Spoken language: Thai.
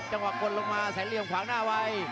จังหวะกดลงมาแสนเลี่ยมขวางหน้าไว้